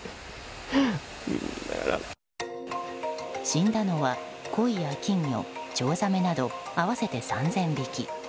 死んだのはコイや金魚、チョウザメなど合わせて３０００匹。